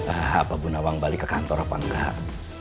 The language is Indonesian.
ah apa bu nawang balik ke kantor apa enggak